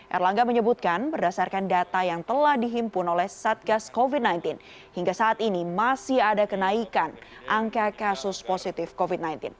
erlangga menyebutkan berdasarkan data yang telah dihimpun oleh satgas covid sembilan belas hingga saat ini masih ada kenaikan angka kasus positif covid sembilan belas